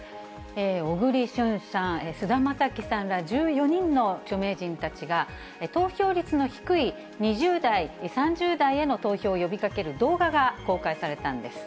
小栗旬さん、菅田将暉さんら１４人の著名人たちが、投票率の低い、２０代、３０代への投票を呼びかける動画が公開されたんです。